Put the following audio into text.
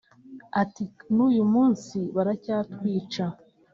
Ati “N’uyu munsi baracyatwica